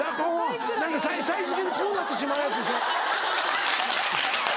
最終的にこうなってしまうやつでしょ？